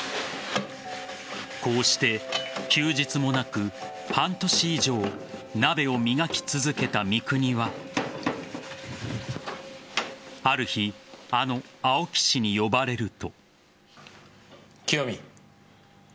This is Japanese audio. こうして休日もなく、半年以上鍋を磨き続けた三國はある日、あの青木氏に呼ばれると。